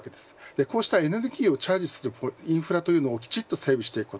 こうしたエネルギーをチャージするインフラというのをきちんと整備していくこと